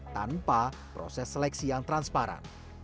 tanpa proses seleksi yang transparan